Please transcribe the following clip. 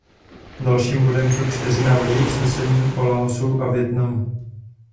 Dalším bodem jsou čtyři návrhy usnesení o Laosu a Vietnamu.